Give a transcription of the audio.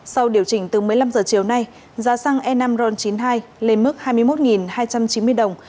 sau điều chỉnh từ một mươi năm h chiều nay giá xăng e năm ron chín mươi hai lên mức hai mươi một hai trăm chín mươi đồng